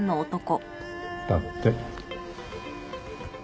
だって。